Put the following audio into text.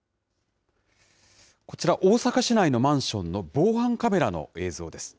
こちら、大阪市内のマンションの防犯カメラの映像です。